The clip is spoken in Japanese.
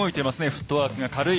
フットワークが軽い。